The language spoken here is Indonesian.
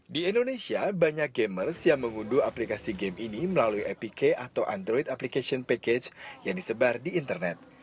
di indonesia banyak gamers yang mengunduh aplikasi game ini melalui apk atau android application package yang disebar di internet